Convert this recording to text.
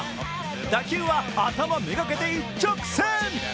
打球は頭目がけて一直線。